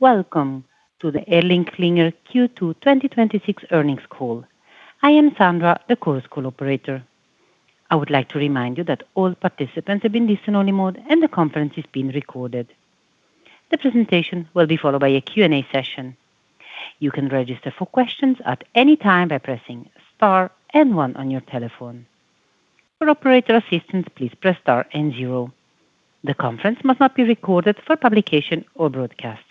Welcome to the ElringKlinger Q2 2026 earnings call. I am Sandra, the conference call operator. I would like to remind you that all participants have been in listen-only mode, and the conference is being recorded. The presentation will be followed by a Q&A session. You can register for questions at any time by pressing star and one on your telephone. For operator assistance, please press star and zero. The conference must not be recorded for publication or broadcast.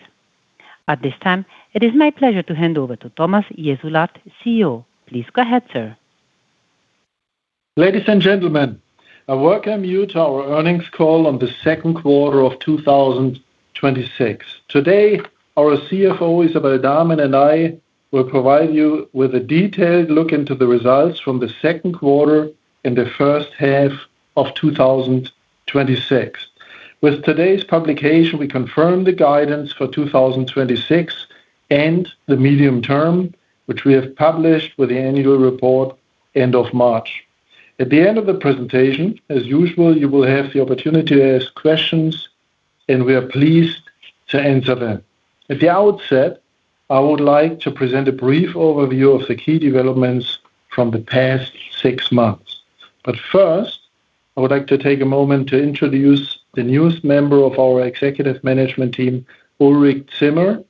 At this time, it is my pleasure to hand over to Thomas Jessulat, CEO. Please go ahead, sir. Ladies and gentlemen, I welcome you to our earnings call on the second quarter of 2026. Today, our CFO, Isabelle Damen, and I will provide you with a detailed look into the results from the second quarter and the first half of 2026. With today's publication, we confirm the guidance for 2026 and the medium term, which we have published with the annual report end of March. At the end of the presentation, as usual, you will have the opportunity to ask questions, and we are pleased to answer them. At the outset, I would like to present a brief overview of the key developments from the past six months. First, I would like to take a moment to introduce the newest member of our executive management team, Ulrich Zimmer,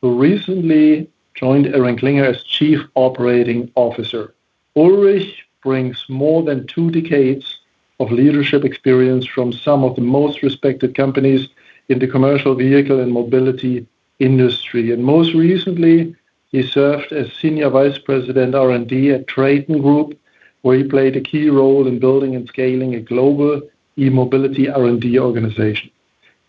who recently joined ElringKlinger as Chief Operating Officer. Ulrich brings more than two decades of leadership experience from some of the most respected companies in the commercial vehicle and mobility industry. Most recently, he served as Senior Vice President R&D at Traton Group, where he played a key role in building and scaling a global e-mobility R&D organization.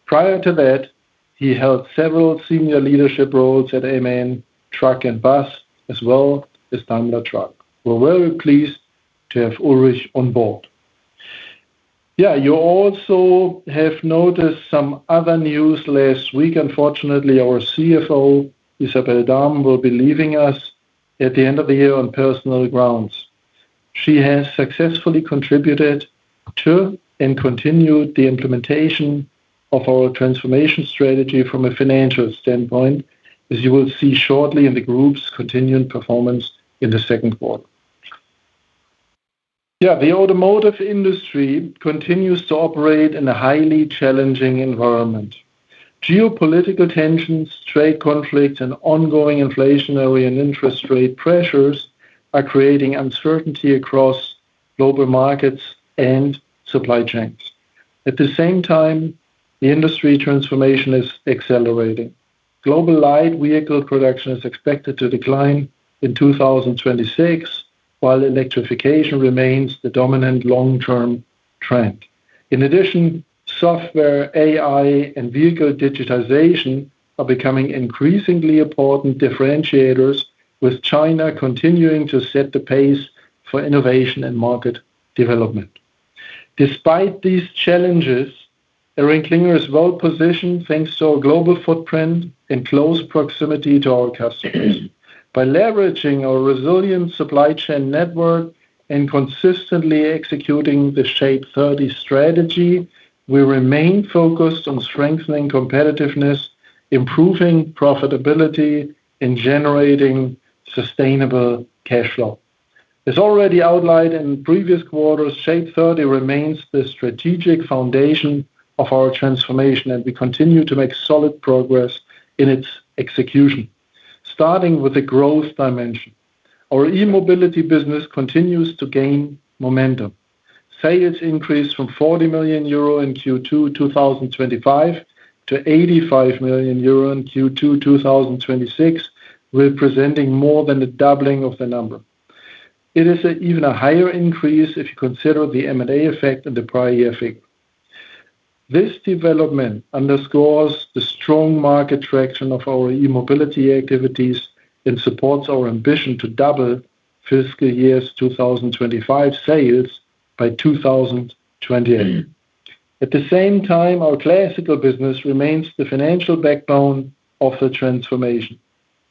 Prior to that, he held several senior leadership roles at MAN Truck & Bus, as well as Daimler Truck. We're very pleased to have Ulrich on board. You also have noticed some other news last week. Unfortunately, our CFO, Isabelle Damen, will be leaving us at the end of the year on personal grounds. She has successfully contributed to and continued the implementation of our transformation strategy from a financial standpoint, as you will see shortly in the Group's continuing performance in the second quarter. The automotive industry continues to operate in a highly challenging environment. Geopolitical tensions, trade conflicts, and ongoing inflationary and interest rate pressures are creating uncertainty across global markets and supply chains. At the same time, the industry transformation is accelerating. Global light vehicle production is expected to decline in 2026, while electrification remains the dominant long-term trend. In addition, software, AI, and vehicle digitization are becoming increasingly important differentiators, with China continuing to set the pace for innovation and market development. Despite these challenges, ElringKlinger is well-positioned, thanks to our global footprint and close proximity to our customers. By leveraging our resilient supply chain network and consistently executing the SHAPE30 strategy, we remain focused on strengthening competitiveness, improving profitability, and generating sustainable cash flow. As already outlined in previous quarters, SHAPE30 remains the strategic foundation of our transformation, and we continue to make solid progress in its execution. Starting with the growth dimension. Our e-mobility business continues to gain momentum. Sales increased from 40 million euro in Q2 2025 to 85 million euro in Q2 2026, representing more than a doubling of the number. It is even a higher increase if you consider the M&A effect and the prior year effect. This development underscores the strong market traction of our e-mobility activities and supports our ambition to double fiscal year's 2025 sales by 2028. At the same time, our classical business remains the financial backbone of the transformation.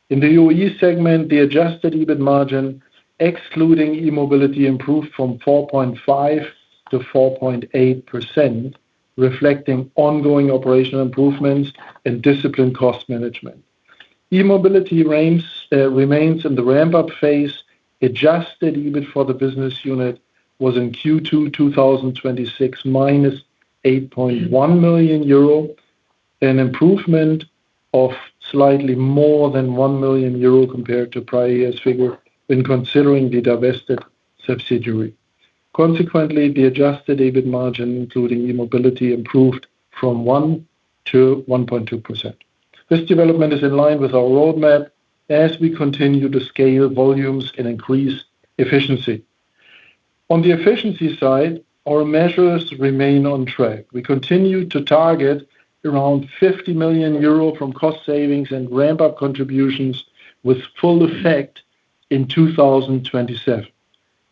In the OE segment, the adjusted EBIT margin, excluding e-mobility, improved from 4.5% to 4.8%, reflecting ongoing operational improvements and disciplined cost management. E-mobility remains in the ramp-up phase. Adjusted EBIT for the business unit was in Q2 2026, -8.1 million euro, an improvement of slightly more than 1 million euro compared to prior year's figure when considering the divested subsidiary. Consequently, the adjusted EBIT margin, including e-mobility, improved from 1% to 1.2%. This development is in line with our roadmap as we continue to scale volumes and increase efficiency. On the efficiency side, our measures remain on track. We continue to target around 50 million euro from cost savings and ramp-up contributions with full effect in 2027.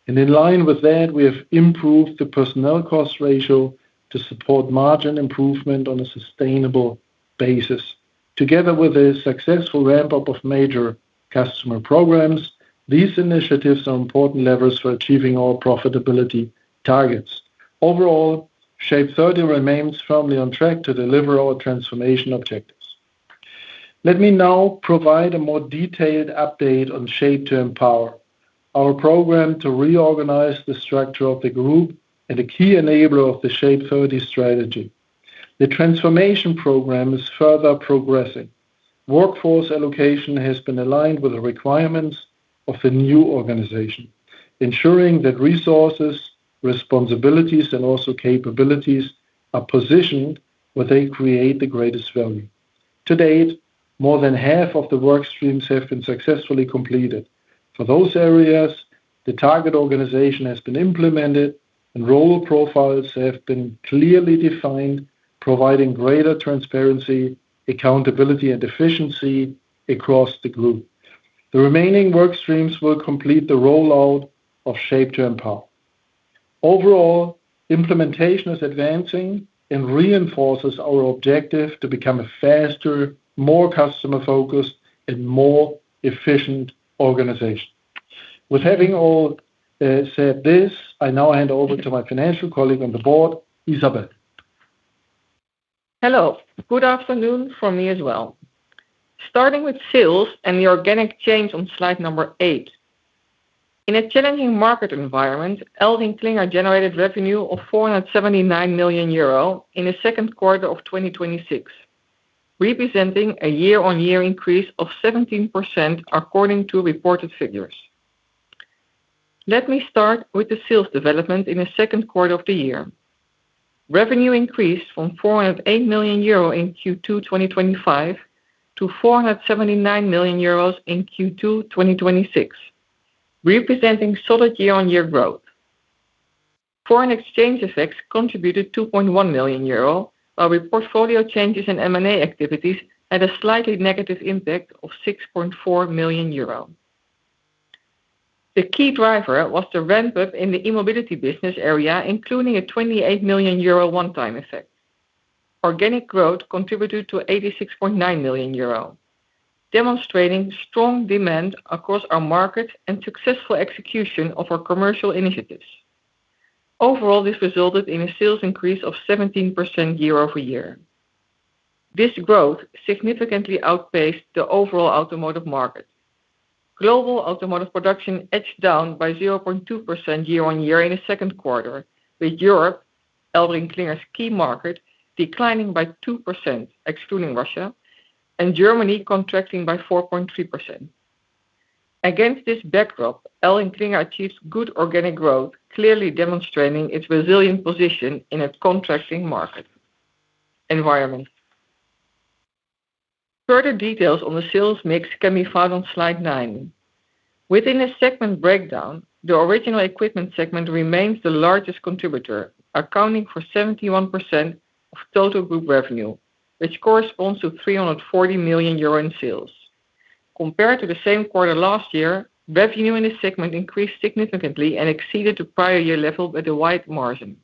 In line with that, we have improved the personnel cost ratio to support margin improvement on a sustainable basis. Together with a successful ramp-up of major customer programs, these initiatives are important levers for achieving our profitability targets. Overall, SHAPE30 remains firmly on track to deliver our transformation objectives. Let me now provide a more detailed update on SHAPE2EMPOWER, our program to reorganize the structure of the group and a key enabler of the SHAPE30 strategy. The transformation program is further progressing. Workforce allocation has been aligned with the requirements of the new organization, ensuring that resources, responsibilities, and also capabilities are positioned where they create the greatest value. To date, more than half of the work streams have been successfully completed. For those areas, the target organization has been implemented and role profiles have been clearly defined, providing greater transparency, accountability, and efficiency across the group. The remaining work streams will complete the rollout of SHAPE2EMPOWER. Overall, implementation is advancing and reinforces our objective to become a faster, more customer-focused, and more efficient organization. With having all said this, I now hand over to my financial colleague on the board, Isabelle. Hello. Good afternoon from me as well. Starting with sales and the organic change on slide number eight. In a challenging market environment, ElringKlinger generated revenue of 479 million euro in the second quarter of 2026, representing a year-on-year increase of 17%, according to reported figures. Let me start with the sales development in the second quarter of the year. Revenue increased from 408 million euro in Q2 2025 to 479 million euros in Q2 2026, representing solid year-on-year growth. Foreign exchange effects contributed 2.1 million euro, while portfolio changes and M&A activities had a slightly negative impact of 6.4 million euro. The key driver was the ramp-up in the e-mobility business area, including a 28 million euro one-time effect. Organic growth contributed to 86.9 million euro, demonstrating strong demand across our market and successful execution of our commercial initiatives. Overall, this resulted in a sales increase of 17% year-over-year. This growth significantly outpaced the overall automotive market. Global automotive production edged down by 0.2% year-on-year in the second quarter, with Europe, ElringKlinger's key market, declining by 2%, excluding Russia, and Germany contracting by 4.3%. Against this backdrop, ElringKlinger achieved good organic growth, clearly demonstrating its resilient position in a contracting market environment. Further details on the sales mix can be found on slide nine. Within the segment breakdown, the original equipment segment remains the largest contributor, accounting for 71% of total group revenue, which corresponds to 340 million euro in sales. Compared to the same quarter last year, revenue in this segment increased significantly and exceeded the prior year level by the wide margin.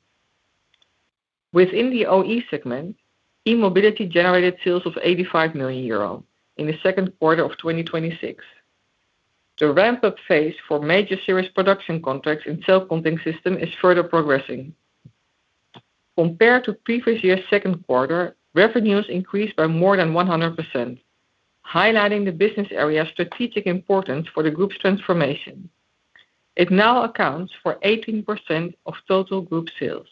Within the OE segment, e-mobility generated sales of 85 million euro in the second quarter of 2026. The ramp-up phase for major series production contracts in cell contacting systems is further progressing. Compared to previous year's second quarter, revenues increased by more than 100%, highlighting the business area strategic importance for the group's transformation. It now accounts for 18% of total group sales.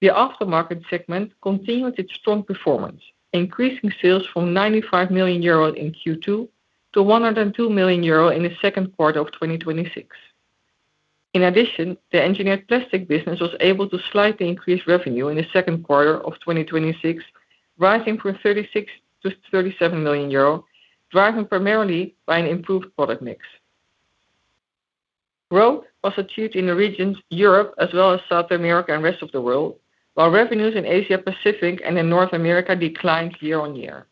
The aftermarket segment continued its strong performance, increasing sales from 95 million euro in Q2 to 102 million euro in the second quarter of 2026. The engineered plastic business was able to slightly increase revenue in the second quarter of 2026, rising from 36 million to 37 million euro, driven primarily by an improved product mix. Growth was achieved in the regions Europe as well as South America and rest of the world, while revenues in Asia-Pacific and in North America declined year-on-year.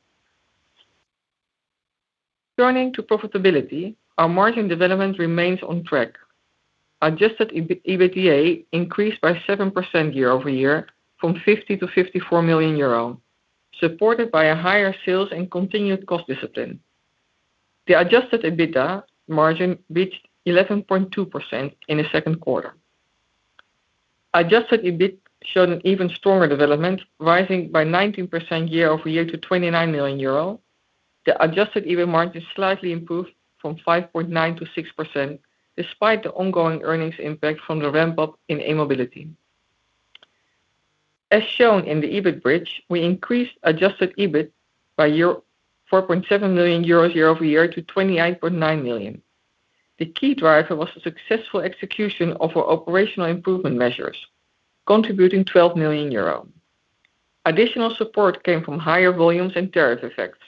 Turning to profitability, our margin development remains on track. Adjusted EBITDA increased by 7% year-over-year from 50 million to 54 million euro, supported by higher sales and continued cost discipline. The Adjusted EBITDA margin reached 11.2% in the second quarter. Adjusted EBIT showed an even stronger development, rising by 19% year-over-year to 29 million euro. The adjusted EBIT margin slightly improved from 5.9%-6%, despite the ongoing earnings impact from the ramp-up in e-mobility. As shown in the EBIT bridge, we increased adjusted EBIT by 4.7 million euros year-over-year to 28.9 million. The key driver was the successful execution of our operational improvement measures, contributing 12 million euro. Additional support came from higher volumes and tariff effects.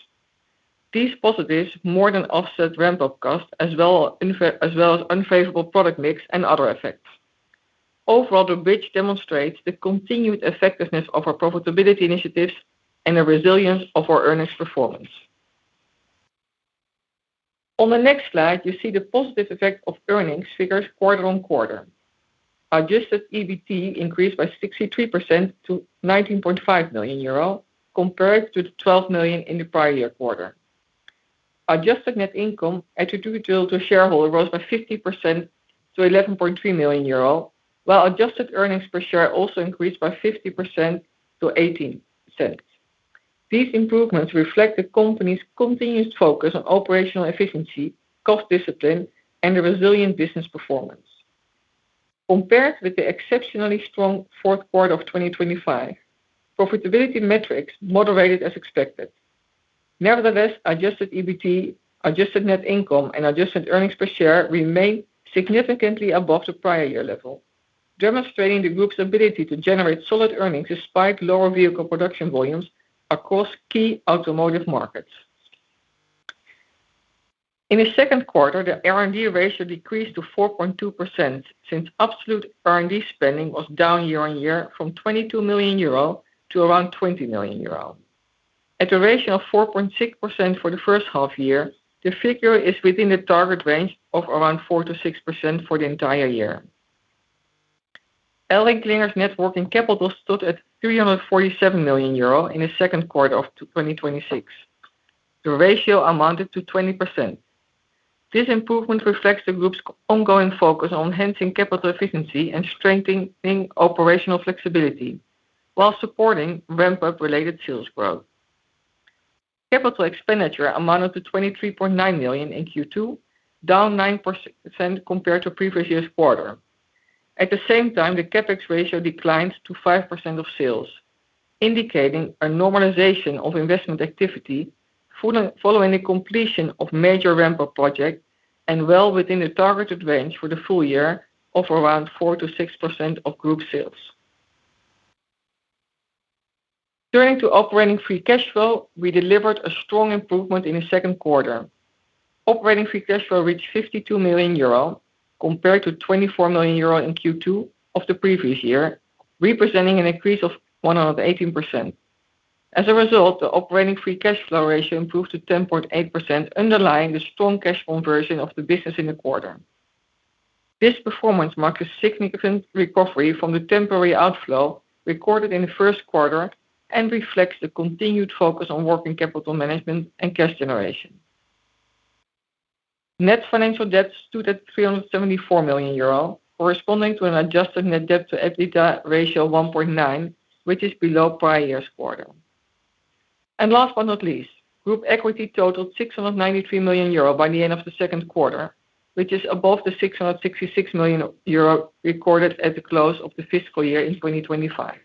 These positives more than offset ramp-up costs as well as unfavorable product mix and other effects. Overall, the bridge demonstrates the continued effectiveness of our profitability initiatives and the resilience of our earnings performance. On the next slide, you see the positive effect of earnings figures quarter-on-quarter. Adjusted EBT increased by 63% to 19.5 million euro compared to the 12 million in the prior year quarter. Adjusted net income attributable to shareholders rose by 50% to 11.3 million euro, while adjusted earnings per share also increased by 50% to 0.18. These improvements reflect the company's continuous focus on operational efficiency, cost discipline, and a resilient business performance. Compared with the exceptionally strong fourth quarter of 2025, profitability metrics moderated as expected. Nevertheless, adjusted EBIT, adjusted net income, and adjusted earnings per share remain significantly above the prior year level, demonstrating the group's ability to generate solid earnings despite lower vehicle production volumes across key automotive markets. In the second quarter, the R&D ratio decreased to 4.2%, since absolute R&D spending was down year-on-year from 22 million euro to around 20 million euro. At a ratio of 4.6% for the first half year, the figure is within the target range of around 4%-6% for the entire year. ElringKlinger's net working capital stood at 347 million euro in the second quarter of 2026. The ratio amounted to 20%. This improvement reflects the group's ongoing focus on enhancing capital efficiency and strengthening operational flexibility, while supporting ramp-up related sales growth. Capital expenditure amounted to 23.9 million in Q2, down 9% compared to previous year's quarter. At the same time, the CapEx ratio declined to 5% of sales, indicating a normalization of investment activity following the completion of major ramp-up projects and well within the targeted range for the full year of around 4%-6% of group sales. Turning to operating free cash flow, we delivered a strong improvement in the second quarter. Operating free cash flow reached 52 million euro compared to 24 million euro in Q2 of the previous year, representing an increase of 118%. As a result, the operating free cash flow ratio improved to 10.8%, underlying the strong cash conversion of the business in the quarter. This performance marks a significant recovery from the temporary outflow recorded in the first quarter and reflects the continued focus on working capital management and cash generation. Net financial debt stood at 374 million euro, corresponding to an adjusted net debt to EBITDA ratio of 1.9x, which is below prior year's quarter. Last but not least, group equity totaled 693 million euro by the end of the second quarter, which is above the 666 million euro recorded at the close of the fiscal year in 2025.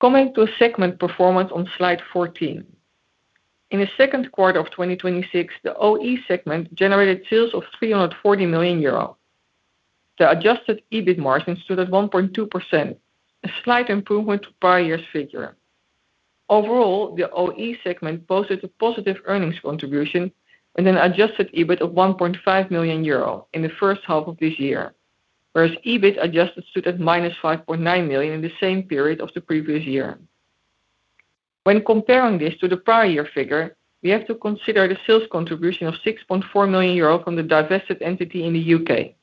Coming to segment performance on slide 14. In the second quarter of 2026, the OE segment generated sales of 340 million euro. The adjusted EBIT margin stood at 1.2%, a slight improvement to prior year's figure. Overall, the OE segment posted a positive earnings contribution with an adjusted EBIT of 1.5 million euro in the first half of this year. Whereas EBIT adjusted stood at -5.9 million in the same period of the previous year. When comparing this to the prior year figure, we have to consider the sales contribution of 6.4 million euro from the divested entity in the U.K.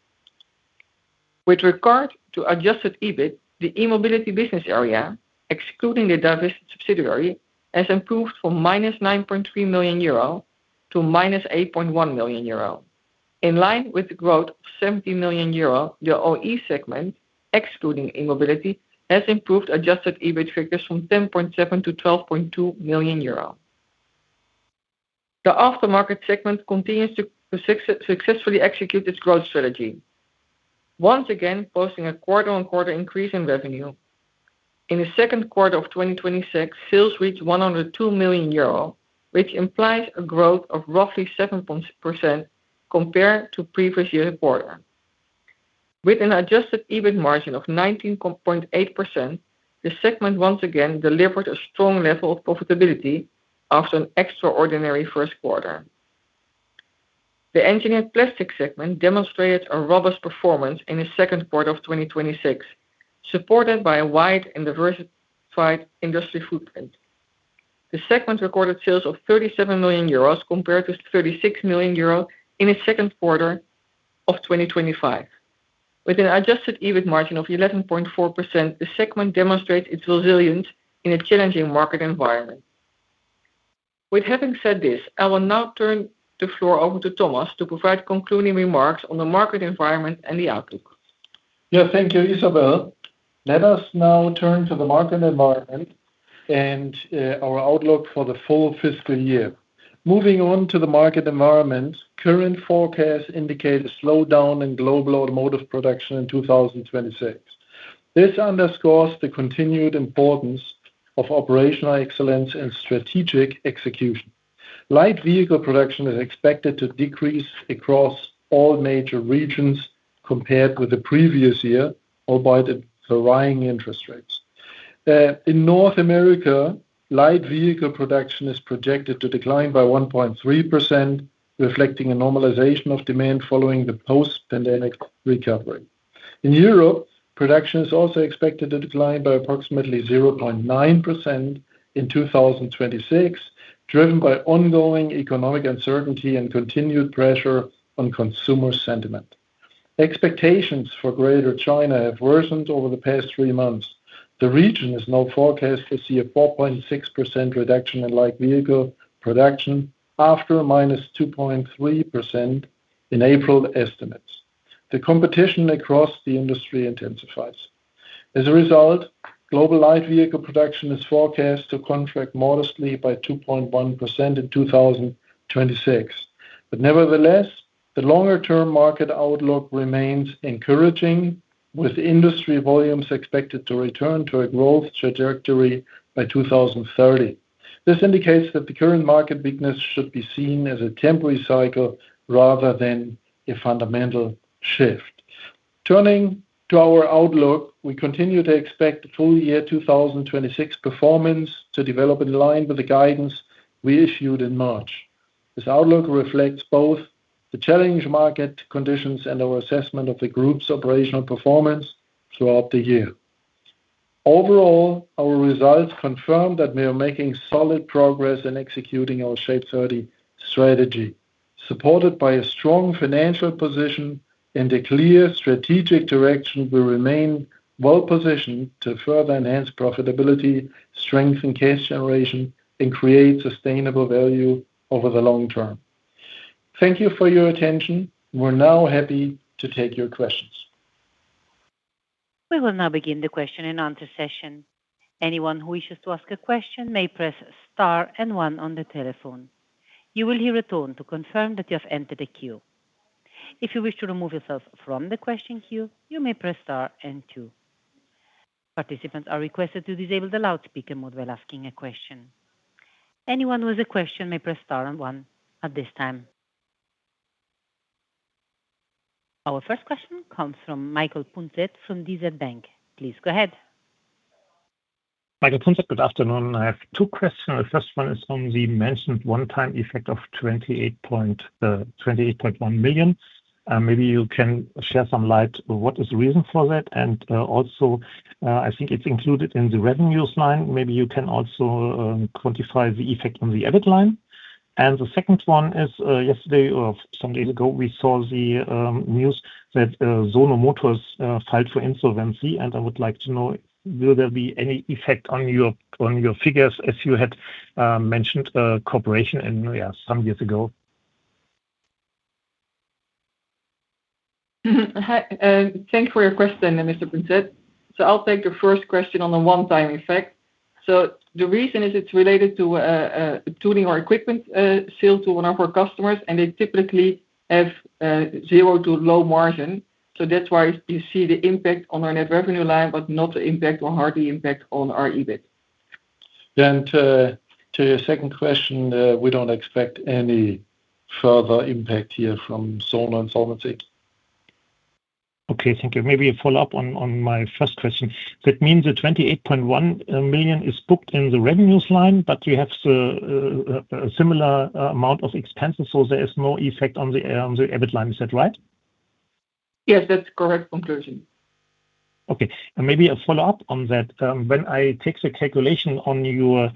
With regard to adjusted EBIT, the e-mobility business area, excluding the divested subsidiary, has improved from -9.3 million euro to -8.1 million euro. In line with the growth of 17 million euro, the OE segment, excluding e-mobility, has improved adjusted EBIT figures from 10.7 to 12.2 million euro. The aftermarket segment continues to successfully execute its growth strategy, once again posting a quarter-on-quarter increase in revenue. In the second quarter of 2026, sales reached 102 million euro, which implies a growth of roughly 7% compared to previous year's quarter. With an adjusted EBIT margin of 19.8%, the segment once again delivered a strong level of profitability after an extraordinary first quarter. The engineered plastic segment demonstrated a robust performance in the second quarter of 2026, supported by a wide and diversified industry footprint. The segment recorded sales of 37 million euros compared to 36 million euros in the second quarter of 2025. With an adjusted EBIT margin of 11.4%, the segment demonstrates its resilience in a challenging market environment. With having said this, I will now turn the floor over to Thomas to provide concluding remarks on the market environment and the outlook. Yeah. Thank you, Isabelle. Let us now turn to the market environment and our outlook for the full fiscal year. Moving on to the market environment, current forecasts indicate a slowdown in global automotive production in 2026. This underscores the continued importance of operational excellence and strategic execution. Light vehicle production is expected to decrease across all major regions compared with the previous year, or by the rising interest rates. In North America, light vehicle production is projected to decline by 1.3%, reflecting a normalization of demand following the post-pandemic recovery. In Europe, production is also expected to decline by approximately 0.9% in 2026, driven by ongoing economic uncertainty and continued pressure on consumer sentiment. Expectations for Greater China have worsened over the past three months. The region is now forecast to see a 4.6% reduction in light vehicle production after a -2.3% in April estimates. The competition across the industry intensifies. As a result, global light vehicle production is forecast to contract modestly by 2.1% in 2026. Nevertheless, the longer-term market outlook remains encouraging, with industry volumes expected to return to a growth trajectory by 2030. This indicates that the current market weakness should be seen as a temporary cycle rather than a fundamental shift. Turning to our outlook, we continue to expect the full year 2026 performance to develop in line with the guidance we issued in March. This outlook reflects both the challenged market conditions and our assessment of the group's operational performance throughout the year. Overall, our results confirm that we are making solid progress in executing our SHAPE30 strategy. Supported by a strong financial position and a clear strategic direction, we remain well-positioned to further enhance profitability, strengthen cash generation, and create sustainable value over the long term. Thank you for your attention. We're now happy to take your questions. We will now begin the question and answer session. Anyone who wishes to ask a question may press star and one on the telephone. You will hear a tone to confirm that you have entered a queue. If you wish to remove yourself from the question queue, you may press star and two. Participants are requested to disable the loudspeaker mode while asking a question. Anyone with a question may press star and one at this time. Our first question comes from Michael Punzet from DZ Bank. Please go ahead. Michael Punzet, good afternoon. I have two questions. The first one is on the mentioned one-time effect of 28.1 million. Maybe you can shed some light on what is the reason for that. I think it's included in the revenues line. Maybe you can also quantify the effect on the EBIT line. The second one is, yesterday or some days ago, we saw the news that Sono Motors filed for insolvency, and I would like to know, will there be any effect on your figures, as you had mentioned cooperation some years ago? Hi. Thanks for your question, Mr. Punzet. I'll take the first question on the one-time effect. The reason is it's related to a tooling or equipment sale to one of our customers, and they typically have zero to low margin. That's why you see the impact on our net revenue line, but not the impact or hardly impact on our EBIT. To your second question, we don't expect any further impact here from Sono insolvency. Okay. Thank you. Maybe a follow-up on my first question. That means the 28.1 million is booked in the revenues line, but you have a similar amount of expenses, there is no effect on the EBIT line. Is that right? Yes, that's correct conclusion. Okay. Maybe a follow-up on that. When I take the calculation on your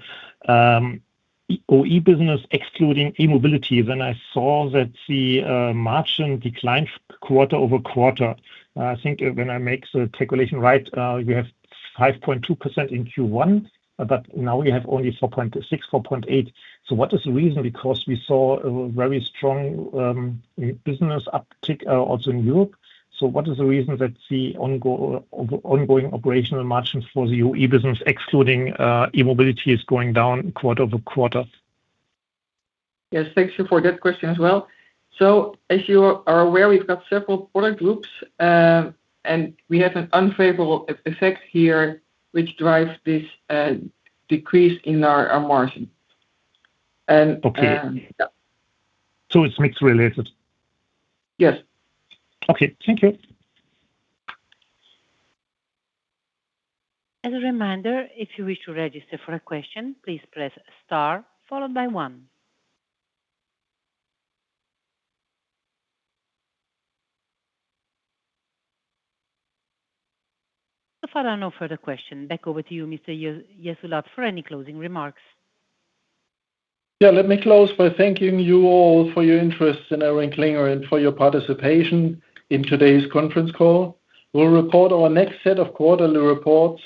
OE business excluding e-mobility, I saw that the margin declined quarter-over-quarter. I think when I make the calculation right, you have 5.2% in Q1, now you have only 4.6%, 4.8%. What is the reason? We saw a very strong business uptick also in Europe. What is the reason that the ongoing operational margins for the OE business excluding e-mobility is going down quarter-over-quarter? Yes. Thank you for that question as well. As you are aware, we've got several product groups, we have an unfavorable effect here, which drives this decrease in our margin. Okay. Yeah. It's mix related. Yes. Okay. Thank you. As a reminder, if you wish to register for a question, please press star followed by one. So far, no further question. Back over to you, Mr. Jessulat, for any closing remarks. Yeah. Let me close by thanking you all for your interest in ElringKlinger and for your participation in today's conference call. We'll report our next set of quarterly reports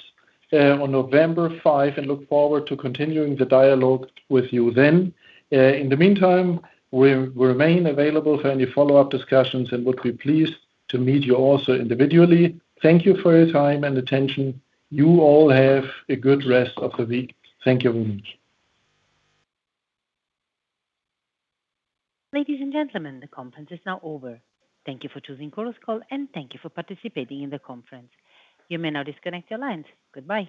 on November 5 and look forward to continuing the dialogue with you then. In the meantime, we remain available for any follow-up discussions and would be pleased to meet you also individually. Thank you for your time and attention. You all have a good rest of the week. Thank you very much. Ladies and gentlemen, the conference is now over. Thank you for choosing Chorus Call, and thank you for participating in the conference. You may now disconnect your lines. Goodbye